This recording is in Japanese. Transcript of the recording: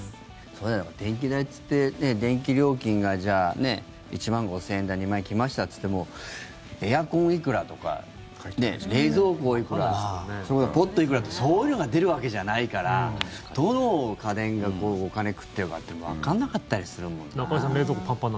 電気代っていって電気料金がじゃあ、１万５０００円だ２万行きましたっていってもエアコン、いくらとか冷蔵庫、いくらポット、いくらってそういうのが出るわけじゃないからどの家電がお金食ってるかってわかんなかったりするもんな。